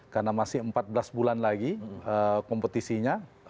karena masih empat belas bulan lagi kompetisinya